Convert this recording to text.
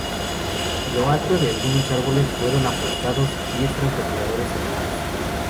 En lo alto de algunos árboles fueron apostados diez francotiradores selectos.